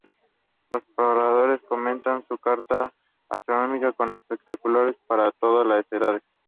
Los paradores complementan su carta gastronómica con espectáculos para todas las edades.